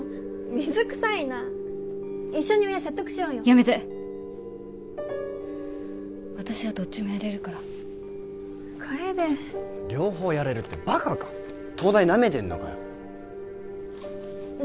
水くさいな一緒に親説得しようよやめて私はどっちもやれるから楓両方やれるってバカか東大なめてんのかよね